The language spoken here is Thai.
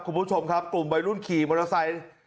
คุณผู้ชมครับกลุ่มวัยรุ่นขี่มอเตอร์ไซค์